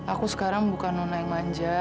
aku sekarang bukan nona yang manja